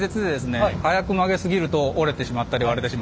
早く曲げすぎると折れてしまったり割れてしまったり。